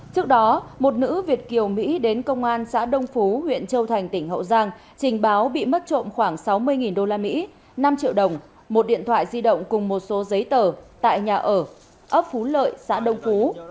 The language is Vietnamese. trước đó một nữ việt kiều mỹ đến công an xã đông phú huyện châu thành tỉnh hậu giang trình báo bị mất trộm khoảng sáu mươi usd năm triệu đồng một điện thoại di động cùng một số giấy tờ tại nhà ở ấp phú lợi xã đông phú